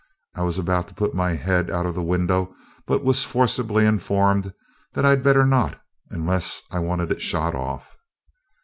I was about to put my head out of the window, but was forcibly informed that I'd better not, unless I wanted it shot off.